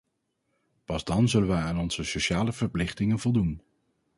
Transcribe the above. Pas dan zullen wij aan onze sociale verplichtingen voldoen.